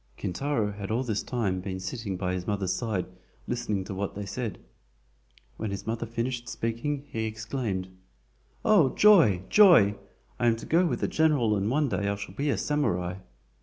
Kintaro had all this time been sitting by his mother's side listening to what they said. When his mother finished speaking, he exclaimed: "Oh, joy! joy! I am to go with the general and one day I shall be a SAMURAI!"